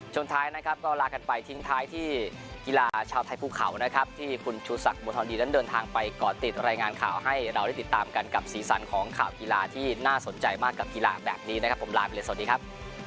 ท้ายนะครับก็ลากันไปทิ้งท้ายที่กีฬาชาวไทยภูเขานะครับที่คุณชูศักดิบัวทองดีนั้นเดินทางไปเกาะติดรายงานข่าวให้เราได้ติดตามกันกับสีสันของข่าวกีฬาที่น่าสนใจมากกับกีฬาแบบนี้นะครับผมลาไปเลยสวัสดีครับ